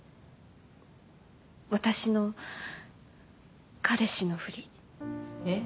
私の彼氏のふりえっ？